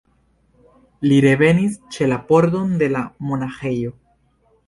Li revenis ĉe la pordon de la monaĥejo.